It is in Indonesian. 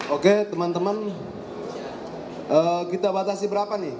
oke teman teman kita batasi berapa nih